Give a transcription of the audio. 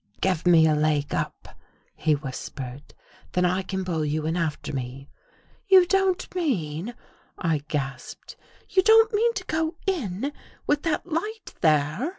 " Give me a leg up," he whispered, " then I can pull you in after me." "You don't miean ..." I gasped. "You don't mean to go in — with that light there?